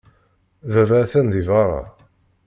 Baba atan deg beṛṛa.